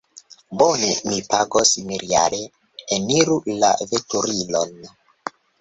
Bone, mi pagos miriade. Eniru la veturilon